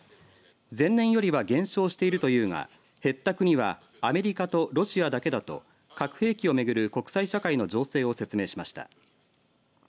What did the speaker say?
前年よりは減少しているというが減った国はアメリカとロシアだけだと核兵器を巡る国際社会の情勢を説明しました。